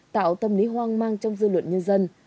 tạo tâm lý hoang mang trong dư luận nhân dân